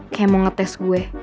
kayak mau nge text gue